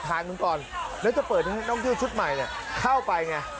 ตอนสบาย